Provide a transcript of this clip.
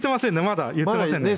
まだ言ってませんね